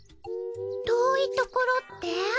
遠いところって？